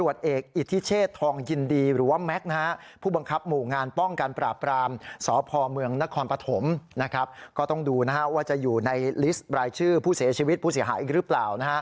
ก็ต้องดูว่าจะอยู่ในลิสต์รายชื่อผู้เสียชีวิตผู้เสียหายอีกหรือเปล่า